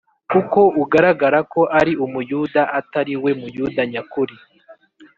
Kuko ugaragara ko ari Umuyuda atari we Muyuda nyakuri